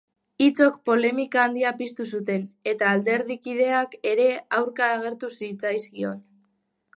Hitzok polemika handia piztu zuten, eta alderdikideak ere aurka agertu zitzaizkion.